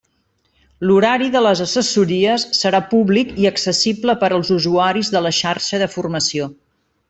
L'horari de les assessories serà públic i accessible per als usuaris de la xarxa de formació.